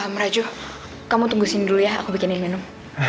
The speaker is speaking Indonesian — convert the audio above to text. merajuh kamu tunggu sini dulu ya aku bikin yang minum